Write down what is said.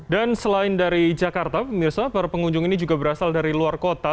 dan selain dari jakarta mirsa para pengunjung ini juga berasal dari luar kota